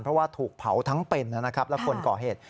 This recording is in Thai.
เพราะว่าถูกเผาทั้งเป็นนะครับและคนก่อเหตุ